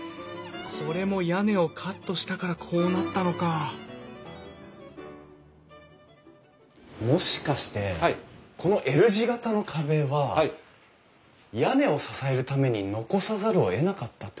これも屋根をカットしたからこうなったのかもしかしてこのＬ字形の壁は屋根を支えるために残さざるをえなかったってことなんですか？